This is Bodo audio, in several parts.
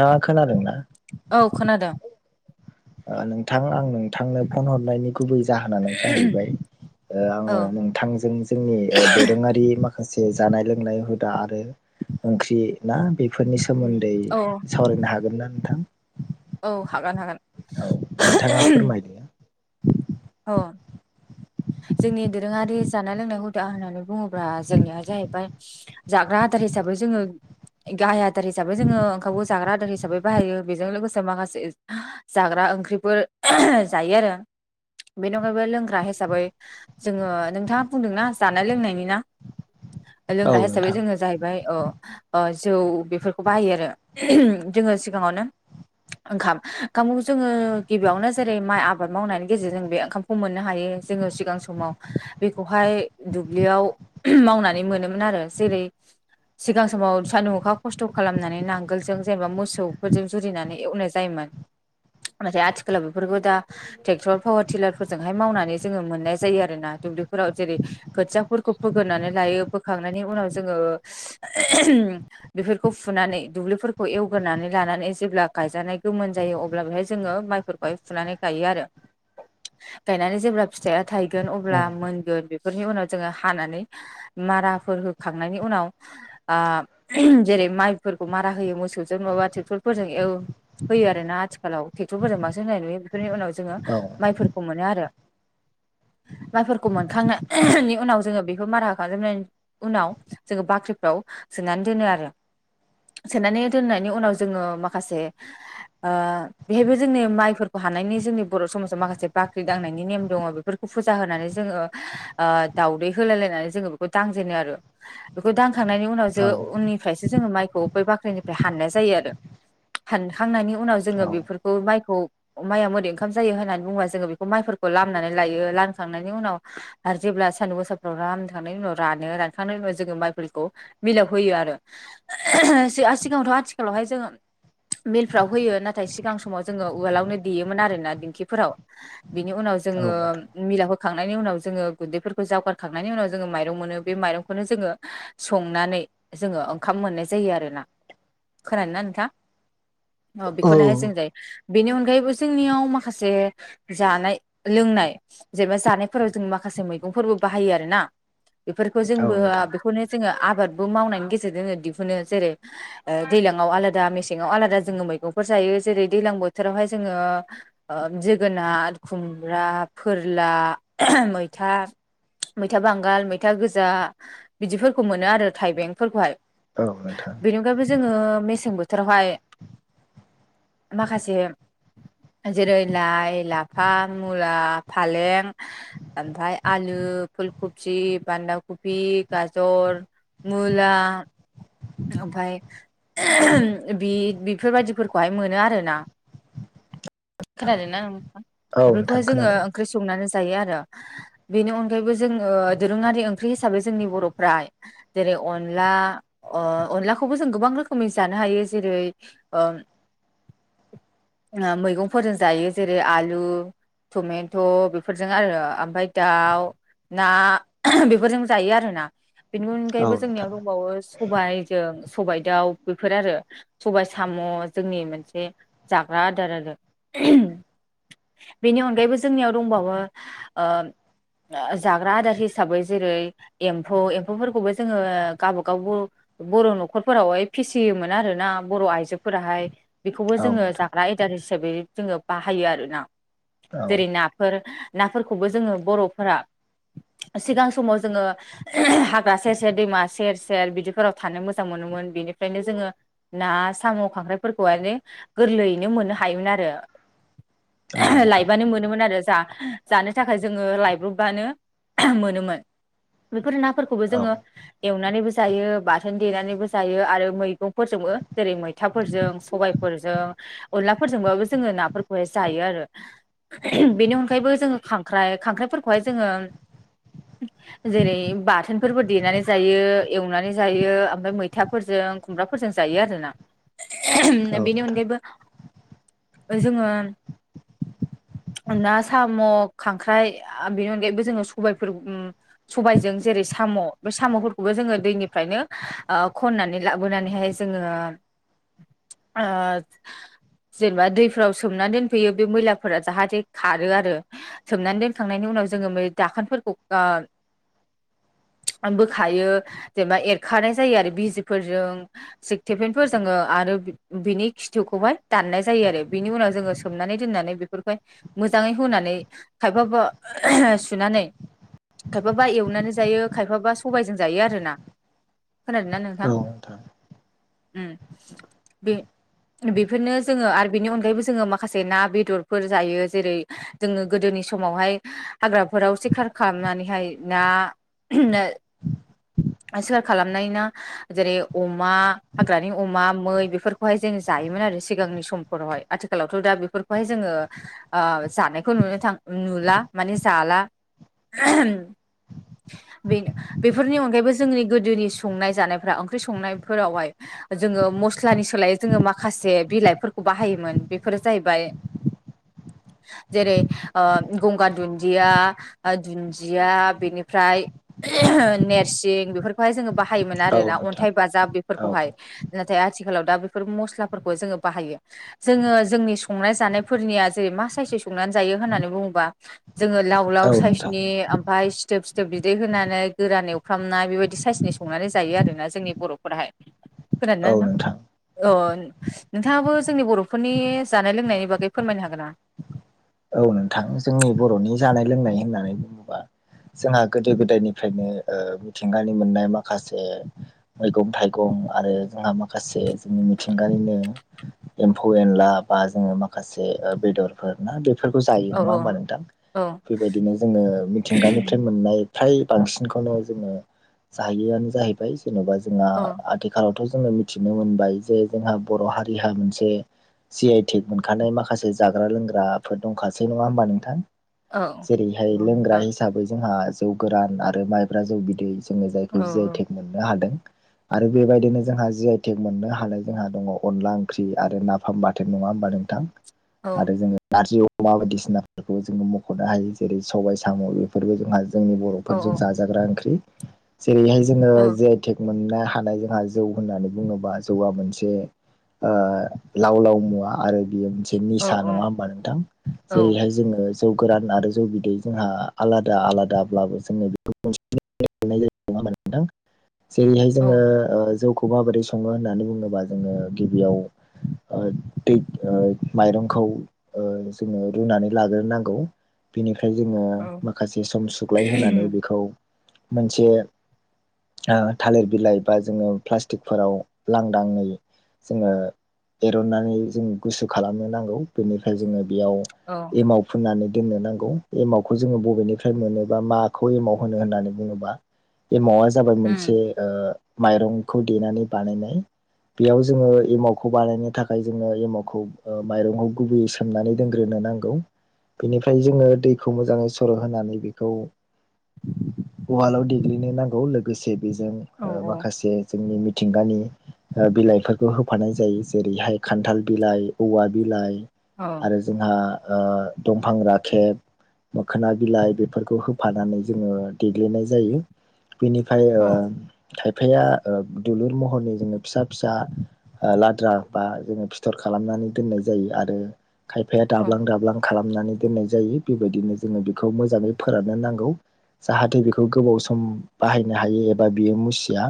दा खोनादोंना? औ खोनादों। ओ नोंथां आं नोंथांनो फन हरनायनि गुबै जाहोनानो जाहैबाय ओ औ आङो नों थांजों जोंनि ओ दोरोङारि माखासे जानाय लोंनाय हुदा आरो ओंख्रि ना बेफोरनि सोमोन्दै औ सावरायनो हागोन ना नोंथां? औ हागोन हागोन। औ नोंथाङा फोरमायदो। अ जोंनि दोरोङारि जानाय लोंनाय हुदा होननानै बुङोब्ला जोंनिया जाहैबाय जाग्रा आदार हिसाबै जोङो गाहाय आदार हिसाबै जोङो ओंखामखौ जाग्रा आदार हिसाबै बाहायो। बेजों लोगोसे माखासे जाग्रा ओंख्रिफोर जायो आरो बेनि अनगायैबो लोंग्रा हिसाबै जोङो नोंथाङा बुंदोंना जानाय लोंनायनि ना? औ लोंग्रा हिसाबै नोंथां जोङो जाहैबाय अ अ जौ बेफोरखौ बाहायो आरो। जोङो सिगाङावनो ओंखाम ओंखामखौ जोङो गिबियावनो जेरै माइ आबाद मावनायनि गेजेरजों बे ओंखामखौ मोननो हायो। जोङो सिगां समाव बेखौहाय दुब्लियाव मावनानै मोनोमोन आरो जेरै सिगां समाव सान्दुं अखा खस्थ' खालामनानै नांगोलजों जेनेबा मोसौफोरजों जुरिनानै एवनाय जायोमोन नाथाय आथिखालाव बेफोरखौ दा ट्रेक्टर पावार टिलार फोरजोंहाय मावनानै जोङो मोननाय जायो आरो ना। दुब्लिफोराव जेरै खोथियाफोरखौ फोग्रोनानै लायो। फोखांनायनि उनाव जोङो बेफोरखौ फुनानै दुब्लिफोरखौ एवग्रोनानै लानानै जेब्ला गायजानाय गोमोन जायो अब्ला बेहाय जोङो माइफोर खौहाय फुनानै गायो आरो। गायनानै जेब्ला फिथाइया थायगोन अब्ला औ मोनगोन, बेफोरनि उनाव जोङो हानानै माराफोर होखांनायनि उनाव आ जेरै माइफोरखौ मारा होयो मोसौजों नङाबा ट्रेक्टरफोरजों एव होयो आर ना आथिखालाव ट्रेक्टरफोरजों बांसिन होननाय नुयो। बेफोरनि उनाव जोङो औ माइफोरखौ मोनो आरो। माइफोरखौ मोनखांनायनि उनाव जोङो बेखौ मारा खालामजोबनायनि उनाव जोङो बाख्रिफ्राव सोनानै दोनो आरो। सोनानै दोननायनि उनाव जोङो माखासे ओ बेहायबो जोंनि माइफोरखौ हानायनि जोंनि बर' समाजाव माखासे जे बाख्रि दांनायनि नेम दङ बेफोरखौ फुजा होनानै जोङो ओ दाउदै होलाय लायनानै जोङो बेखौ दांजेनो आरो। बेखौ दांखांनायनि उनाव औ जों उननि फ्रायसो जोङो माइखौ बै बाख्रिनिफ्राय हाननाय जायो आरो। हानखांनायनि उनाव जोङो नोंथां बेफोरखौ माइखौ माइआ बोरै ओंखाम जायो होननानै बुंबा जोङो बेखौ माइफोरखौ लामनानै लायो, लांखांनायनि उनाव आरो जेब्ला सान्दुं गोसाफ्राव लामखांनायनि उनाव रानो, रानखांनायनि उनाव जोङो माइफोरखौ मिलाव होयो आरो। ओ सिगाङावथ' आथिखालावहाय जोङो मिलफ्राव होयो नाथाय सिगां समाव जोङो उवालावनो देयोमोन आरोना दिंखिफोराव। बिनि उनाव औ जोङो नोंथां मिलाव होखांनायनि उनाव जोङो गुन्दैफोरखौ जावगारखांनायनि उनाव जोङो माइरं मोनो, बे माइरंखौनो जोङो संनानै जोङो ओंखाम मोननाय जायो आरोना। खोनादों ना नोंथां? अ बेखौनोहाय जों जायो बेनि अनगायैबो जोंनियाव माखासे जानाय लोंनाय जेनेबा जानायफोराव जों माखासे मैगंफोरबो बाहायो आरोना। बेफोरखौ औ जोंबो नोंथां बेखौनो जोङो आबादबो मावनायनि गेजेरजों जो दिहुनो जेरै ओ दैलांआव आलादा, मेसेंआव आलादा जोङो मैगंफोर जायो। जेरै दैजलां बोथोरावहाय जोङो ओ जोगोनार, खुमब्रा, फोरला, मैथा, मैथा बांगाल, मैथा गोजा बिदिफोरखौ मोनो आरो थाइबेंफोरखौहाय। औ नोंथां। बेनि अनगायैबो जोङो मेसें बोथोरावहाय माखासे जेरै लाइ लाइ, लाफा, मुला, फालें, ओमफ्राय आलु, फुल कफि, बान्दा खफि, गाजर, मुला ओमफाय बि बेफोरबायदिफोरखौहाय मोनो आरोना। खोनादों ना नोंथां? नोंथां बेफोरखौहाय जोङो खोनादों ओंख्रि संनानै जायो आरो। बेनि अनगायैबो जोङो दोरोङारि ओंख्रि हिसाबै जोंनि बर'फ्रा जेरै अनला ओ अनलाखौबो जों गोबां रोखोमै जानो हायो जेरै ओ मैगंफोरजों जायो जेरै आलु टमेट' बेफोरजों आरो ओमफ्राय दाउ ना बेफोरजों जायो आरोना। बेनि औ अनगायैबो जोंनियाव नोंथां दंबावो सबाइजों सबाइ दाउ बेफोर आरो। सबाय साम' जोंनि मोनसे जाग्रा आदार आरो। बेनि अनगायैबो जोंनियाव दंबावो ओ जाग्रा आदार हिसाबै जेरै एम्फौ एम्फौफोरखौबो जोङो गावबागावबो बर' न'खरफोरावहाय फिसियोमोन आरोना बर' आइजोफोराहाय। बेखौबो औ जोङो नोंथां जाग्रा आयदार हिसाबै जोङो बाहायो आरोना औ जेरै ना फोर नाफोरखौबो जोङो बर'फोरा सिगां समाव जोङो हाग्रा सेर सेर दैमा सेर सेर बिदिफोराव थानो मोजां मोनोमोन बिनिफ्रायनो जोङो ना साम' खांख्राइफोरखौहाय गोरलैयैनो मोननो हायोमोन आरो। औ नोंथां लायबानो मोनोमोन आरो जा जानो थाखाय जोङो लायब्रबबानो मोनोमोन। बेफोर नाफोरखौबो औ जोङो एवनानैबो जायो, बाथोन देनानैबो जायो आरो मैगंफोरजोंबो जेरै मैथाफोरजों सबाय फोरजों अनलाफोरजोंबो जोङो नाफोरखौ हाय जायो आरो बेनि अनगायैबो जोङो खांख्राइ खांख्राइफोरखौहाय जोङो आ जेरै बाथोनफोरबो देनानै जायो एवनानै जायो ओमफ्राय मैथाफोरजों खुमब्राफोरजों जायो आरोना। औ नोंथां औ बेनि अनगायैबो जोङो [unintelligible] ना साम' खांख्राइ बेनि अनगायैबो जोङो सबायफोर सबायजों जेरै साम' बे साम'फोरखौबो जोङो दैनिफ्रायनो खननानै लाबोनानैहाय जोङो [unintelligible] ओ जेनेबा दैफ्राव बुथुमना दोनफैयो बे मैलाफोरा जाहाथे खारो आरो। सोमनानै दोनखांनायनि उनाव जोङो बे दाखोनफोरखौ गार बोखायो। जेनेबा एरखानाय जायो आरो बिजिफोरजों सेकथेपेनफोर जोङो आरो बि-बिनि खिथुखौहाय दाननाय जायो आरो। बिनि उनाव जोङो सोमनानै दोननानै बेफोरखौहाय मोजाङै हुनानै खायफाबा सुनानै खायफाबा एवनानै जायो, खायफाबा सबायजों जायो आरोना। खोनादों ना नोंथां? उम बे-बेफोरनो जोङो आरो बेनि अनगायैबो जोङो माखासे ना बेदरफोर जायो। जेरै जोङो गोदोनि समावहाय हाग्राफोराव सिखार खालामनानैहाय ना सिखार खालामनाय ना जेरै अमा, हाग्रानि अमा, मै बेफोरखौहाय जों जायोमोन आरो सिगांनि समफोरावहाय। आथिखालावथ' दा बेफोरखौहाय जोङो ओ जानायखौ नुनो थां नुला माने जाला बे-बेफोरनि अनगायैबो जोंनि गोदोनि संनाय जानायफ्रा ओंख्रि संनायफोरावहाय जोङो मस्लानि सोलायै जोङो माखासे बिलाइफोरखौ बाहायोमोन। बेफोरो जाहैबाय [unintelligible] जेरै ओ गंगार दुन्दिया, दुन्दिया बेनिफ्राय नेरसिं बेफोरखौहाय जोङो बाहायोमोन औ आरोना नोंथां अन्थाइ बाजाब औ बेफोरखौहाय नाथाय आथिखालाव दा बेफोर मस्लाफोरखौ जोङो बाहायो। जोङो जोंनि संनाय जानायफोरनिया जेरै मा साइसै संनानै जायो होननानै बुङोबा जोङो लाव औ लाव नोंथां साइसनि ओम बाहाय सिथोब सिथोब बिदै होनानै गोरान एवफ्रामनाय बेबायदि साइसनि संनानै जायो आरोना जोंनि बर'फोराहाय। [inaudible] फोरानना ना? नोंथां अ नोंथाङाबो जोंनि बर' फोरनि जानाय लोंनायनि बागै फोरमायनो हागोन ना? औ नोंथां। जोंनि बर'नि जानाय लोंनाय होननानै बुङोबा जोंहा गोदो गोदायनिफ्रायनो ओ मिथिंगानि मोननाय माखासे मैगं थाइगं आरो जोंहा माखासे जोंनि मिथिंगानिनो एम्फौ-एनला बा जोङो माखासे बेदरफोर ना बे बेफोरखौ जायो औ नङा हबा नोंथां औ बेबायदिनो जोङ मिथिंगानिफ्राय मोननाय फ्राय बांसिनखौनो जोङो जैआनो जाहैबाय जेन'बा जोंहा औ आथिखालावथ' जोङो मिथिनो मोनबाय जे जोंहा बर' हारिहा मोनसे जि आइ टेक मोनखानाय माखासे जाग्रा लोंग्राफोर दंखासै नङा होमबा नोंथां? औ जेरैहाय लोंग्रा नोंथां हिसाबै हिसाबै जोंहा जौ गोरान आरो माइब्रा जौ बिदै जोङो औ जायखौ जि आइ औ टेक मोननो हादों। आरो बेबायदिनो जोंहा जि आइ टेक मोननो हानाय जोंहा दङ अनला ओंख्रि आरो नाफाम बाथोन नङा होमबा नोंथां? औ आरो जोङो नारजि अमा बायदिसिनाफोरखौ जोङो मख'नो हायो जेरै सबाय साम' बेफोरबो जोंहा जोंनि औ बर' जाजाग्रा ओंख्रि जेरैहाय औ जों टेक मोननो हानाय जोंहा जौ होननानै बुङोबा जौआ मोनसे ओ लाव लाव मुवा आरो बियो मोनसे औ निसा औ नङा होमबा नोंथां औ जेरैहाय जोङो जौ गोरान आरो जौ बिदै जोंहा आलादा आलादाब्लाबो जोंनो बेखौ होनां जेरैहाय जोङो औ जौखौ माबोरै सङो होननानै बुङोबा जोङो गिबियाव ओ दै माइरंखौ ओ जोङो रुनानै लाग्रोनांगौ बेनिफ्राय जोङो औ माखासे सम सुग्लाय होनोनानै बेखौ मोनसे ओ थालिर बिलाइ बा जोङो प्लास्टिकफोराव लांदाङै जोङो एरननानै जों गुसु खालामनो नांगौ बेनिफ्राय जोङो बेयाव औ एमाव फुननानै दोननो नांगौ एमावखौ जोङो बबेनिफ्राय मोनोबा माखौ एमाव होनो होननानै बुङोबा बे एमावा जाबाय ओ उम मोनसे माइरंखौ देनानै बानायनाय बेयाव जोङो एमावखौ बानायनो थाखाय जोङो एमावखौ माइरंखौ गुबैयै सोमनानै दोनग्रोनो नांगौ बेनिफ्राय जोङो दैखौ मोजाङै सर' होनानै बेखौ ववाल्दाव देग्लिनो नांगौ लोगोसे बेजों औ माखासे जोंनि मिथिंगानि बिलाइफोरखौ होफानाय जायो जेरैहाय खान्थाल बिलाइ औवा बिलाइ औ औ आरो जोंहा ओ दंफां राखेब मोखोना बिलाइ बेफोरखौ होफानानै जोङो देग्लिनाय जायो। बिनिफ्राय औ ओ खायफाया दुलुर महरनि जोङो फिसा फिसा लाद्रा बा जोङो फिथर खालामनानै दोननाय जायो आरो खायफाया दाब्लां दाब्लां खालाम नानै दोननाय जायो बेबायदिनो जोङो बेखौ मोजाङै फोराननो नांगौ जाहाथे बेखौ गोबाव सम बाहायनो हायो एबा बियो मुसिया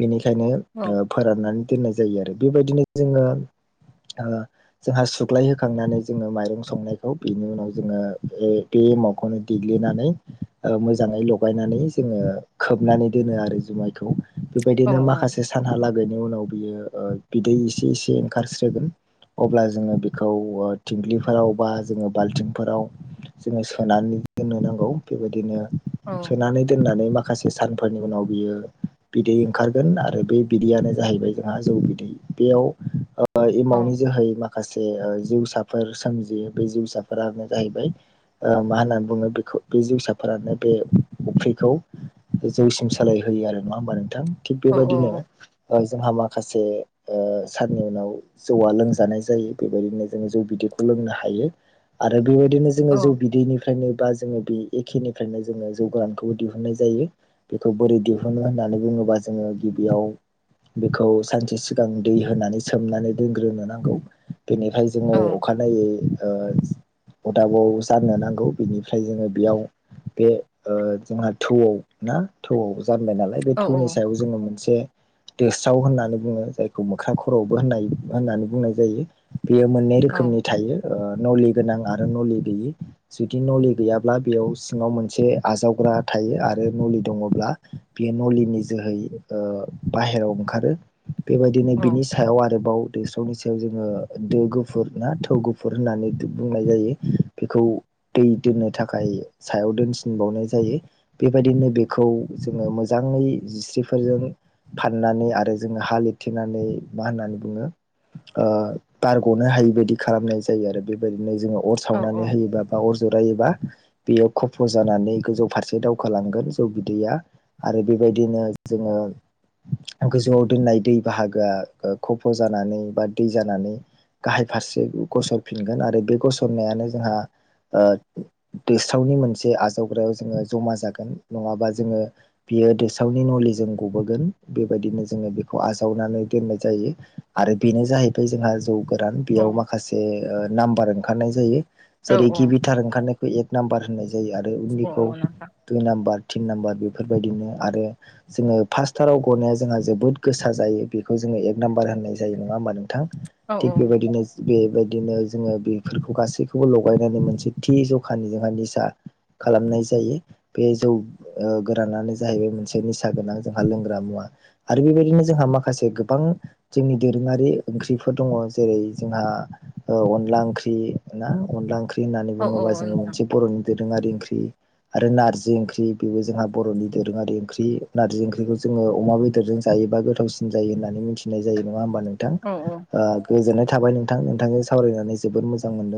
बेनिखायनो औ ओ फोराननानै दोननाय जायो आरो बेबायदिनो जोङो जोंहा ओ सु खख्लायहोखांनानै जोङो माइरं संनायखौ बेनि उनाव जोङो बे बेमाखौनो देग्लिनानै मोजाङै लगायनानै जोङो खोबनानै दोनो आरो जुमायखौ औ बेबायदिनो माखासे सानहालागैनि उनाव बियो बिदै एसे एसे ओंखारस्रोगोन अब्ला जोङो बे खौ थिंग्लिफोराव बा जोङो बाल्थिंफोराव जोङो सोनानै दोननो नांगौ बेबायदिनो औ सोनानै दोननानै मा खासे सानफोरनि उनाव बियो बिदै ओंखारगोन आरो बे बिदैयानो जाहैबाय जोंहा जौ बिदै बेयाव एमावनि जोहै माखासे जिउसाफोर सोमजियो बे जिउसाफोरानो जाहैबाय मा होननानै बुङो बेखौ बे जिउसाफोरानो बे फख्रिखौ जौसिम सोलायहोयो आरो नङा होमबा नोंथां थिग बेबायदिनो ओ जोंहा माखासे ओ साननि उनाव जौवा लोंजानाय जायो बेबायदिनो जोङो जौ बिदैखौ लोंनो हायो आरो बेबायदिनो जोङो जौ बिदैनिफ्रायनो बा जोङो बे एखेनिफ्रायनो जोङो जौगानखौबो दिहुननाय जायो बेखौ बोरै दिहुनो होननानै बुङोबा जोङो गिबियाव बेखौ सानसे सिगां दै होनानै सोमनानै दोनग्रोनोनांगौ बेनिफ्राय जोङो अखानायै ओ अदाबाव जानो नांगौ बिनिफ्राय जोङो बेयाव बे ओ जोंहा थौआव ना थौआव जानबाय नालाय बे थौनि सायाव जोङो मोनसे दोस्राव होननानै बुङो जायखौ मोख्रां खर'आवबो होननाय होननानै बुंनाय जायो। बेयो मोननै रोखोमनि थायो ओ नलि गोनां आरो नलि गैयि जुदि नलि गैयाब्ला बेयाव सिङाव मोनसे आजावग्रा थायो आरो नलि दङब्ला बेयो नलिनि जोहै ओ बाहेराव ओंखारो बेबायदिनो बिनि औ सायाव आरोबाव देरसावनि सायाव जोङो दो गुफुर ना थौ गुफुर होननानै बुंनाय जायो बेखौ दै दोननो थाखाय सायाव दोनसिनबावनाय जायो बेबायदिनो बेखौ जोङो मोजाङै जिस्रिफोरजों फाननानै आरो जोङो हा लथेनानै मा होननानै बुङो ओ बारग'नो हायि बायदि खालामनाय जायो आरो बेबायदिनो जोङो अर सावनानै होयोबा बा अर जरायोबा बेयो खफ' जानानै गोजौ फारसे दावखालांगोन जौ बिदैया आरो बेबायदिनो जोङो गोजौआव दोननाय दै बाहागोआ खफ' जानानै बा दै जानानै गाहाय फारसे गसरफिनगोन आरो बे गसरनायानो जोंहा ओ दोस्रावनि मोनसे आजावग्रायाव जोङो जमा जागोन नङाबा जोङो बियो दोसावनि नलिजों गबोगोन बेबायदिनो जोङो बेखौ आजावनानै दोननाय जायो आरो बेनो जाहैबाय जोंहा जौ गोरान औ बेयाव माखासे ओ नाम्बार ओंखारनाय जायो जेरै औ गिबिथार ओंखार बे एक नाम्बार होननाय जायो आरो उननिखौ औ नोंथां दुइ नाम्बार थिन नाम्बार बेफोरबायदिनो आरो जोङो फास्स्टाराव गनाया जोंहा जोबोद गोसा जायो बेखौ जोङो एक नाम्बार होननाय जायो नङा होमबा नोंथां औ थिग औ औ बेबायदिनो बेबायदिनो जोङो बेफोरखौ गासैखौबो लगायनानै मोनसे थि जखानि जोंहा निसा खालामनाय जायो बे जौ ओ गोरानानो जाहैबाय मोनसे निसा गोनां जोंहा लोंग्रा मुवा आरो बेबायदिनो जोंहा माखासे गोबां जोंनि दोरोङारि ओंख्रिफोर दङ ज जेरै जोंहा ओ अनला ओंख्रि ना अनला ओंख्रि ख्रि होननानै बुङोबा जोङो नोंथां मोनसे बर'नि दोरोङारि ओंख्रि आरो नारजि ओंख्रि बेबो जोंहा बर'नि दोरोङारि ओंख्रि नारजि ओंख्रिखौ जोङो अमा बेदरजों जायोबा गोथावसिन जायो होननानै मिथिनाय जायो नङा होमबा नों थां औ औ ओ गोजोननाय थाबाय नोंथां नोंथांजों सावरायनानै जोबोद मोजां मोनदों